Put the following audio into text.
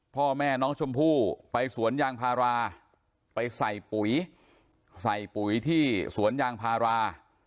พ่อแม่น้องชมพู่ไปสวนยางพาราไปใส่ปุ๋ยใส่ปุ๋ยที่สวนยางพารา